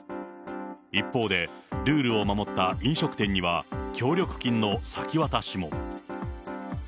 一方でルールを守った飲食店には、協力金の先渡しも。